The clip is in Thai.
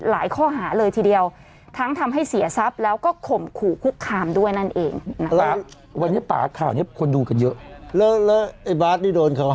แล้วบาร์สนี่โดนเขาหาอะไร